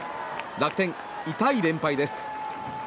楽天、痛い連敗です。